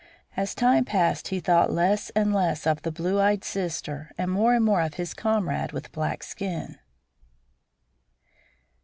As time passed he thought less and less of the blue eyed sister and more and more of his comrade with a black skin.